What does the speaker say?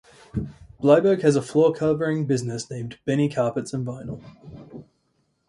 Bleiberg has a floor covering business named 'Bennie Carpets and Vinyl'